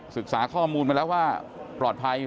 ศึกษาข้อมูลมาแล้วว่าปลอดภัย